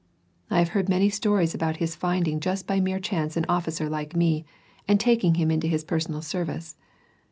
I have heard many stories about his finding just merely by chance an officer like me, and taking him into his personal service.